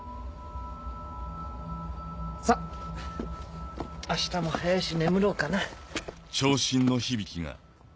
さぁあしたも早いし眠ろうかな。